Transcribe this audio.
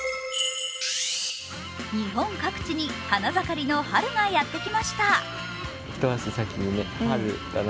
日本各地に花盛りの春がやってきました。